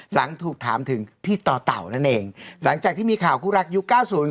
หลังถูกถามถึงพี่ต่อเต่านั่นเองหลังจากที่มีข่าวคู่รักยุคเก้าศูนย์